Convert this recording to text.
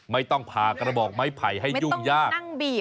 ไม่ต้องพากระบอกไม้ไผ่ให้ยุ่งยาก